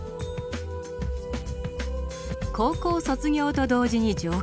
高校卒業と同時に上京。